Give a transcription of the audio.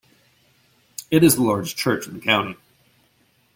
It is the largest Church in the county.